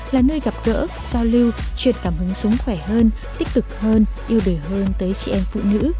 là nơi gặp gỡ giao lưu truyền cảm hứng sống khỏe hơn tích cực hơn yêu đời hơn tới chị em phụ nữ